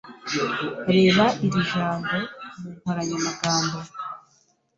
Reba iri jambo mu nkoranyamagambo.